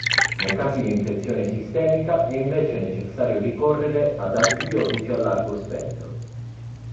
Nei casi di infezione sistemica è invece necessario ricorrere ad antibiotici a largo spettro.